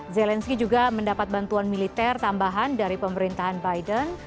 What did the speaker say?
zelensky juga mendapat bantuan militer tambahan dari pemerintahan biden